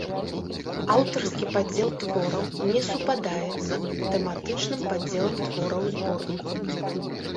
Аўтарскі падзел твораў не супадае з тэматычным падзелам твораў зборніку.